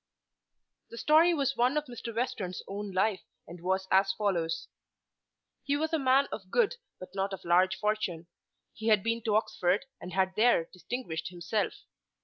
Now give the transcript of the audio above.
The story was one of Mr. Western's own life and was as follows. He was a man of good but not of large fortune. He had been to Oxford and had there distinguished himself.